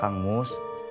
kata kang mus